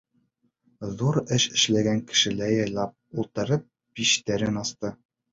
Ҙур эш эшләгән кешеләй яйлап ултырып биштәрен асты.